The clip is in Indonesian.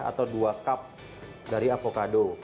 atau dua cup dari avocado